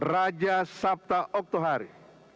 raja sabta oktuhari